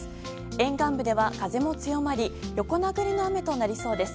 沿岸部では風も強まり横殴りの雨となりそうです。